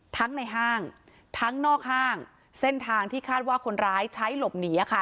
ทั้งในห้างทั้งนอกห้างเส้นทางที่คาดว่าคนร้ายใช้หลบหนี